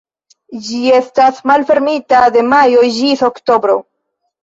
Ĝi estas malfermita de majo ĝis oktobro.